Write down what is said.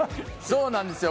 そうなんですよ